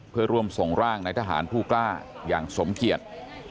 เพื่อร่วมส่งร่างในทหารผู้กล้าอย่างสมเกียจ